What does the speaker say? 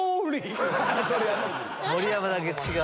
盛山だけ違う。